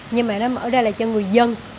nhưng mà nó mở ra là cho người dân